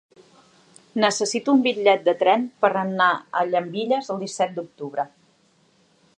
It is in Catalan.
Necessito un bitllet de tren per anar a Llambilles el disset d'octubre.